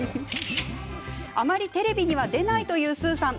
あまりテレビには出ないというスーさん。